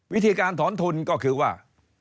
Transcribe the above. วิธีการถอนทุนก็คือว่า